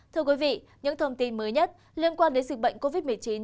thưa quý vị những thông tin mới nhất liên quan đến dịch bệnh covid một mươi chín